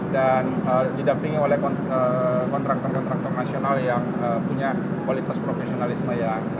dan didampingi oleh kontraktor kontraktor nasional yang punya kualitas profesionalisme